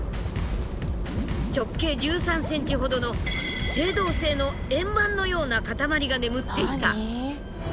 直径１３ｃｍほどの青銅製の円盤のような塊が眠っていた。